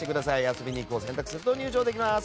遊びに行くを選択すると入場できます。